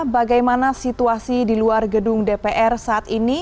bagaimana situasi di luar gedung dpr saat ini